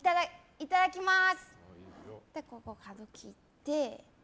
いただきます。